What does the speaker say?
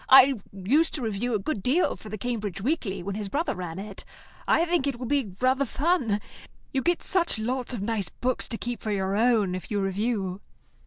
I used to review a good deal for the Cambridge Weekly when his brother ran it. I think it will be rather fun. You get such lots of nice books to keep for your own if you review."